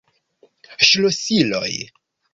Ŝlosiloj!